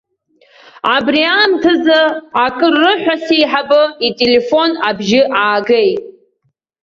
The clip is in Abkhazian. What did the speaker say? Абри аамҭазы акыррыҳәа сеиҳабы ителефон абжьы аагеит.